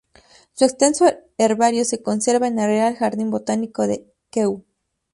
Su extenso herbario se conserva en el Real Jardín Botánico de Kew.